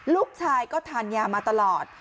ลูกชายก็ทานยามาตลอด